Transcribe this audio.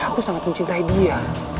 aku sangat mencintai dia